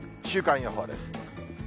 週間予報です。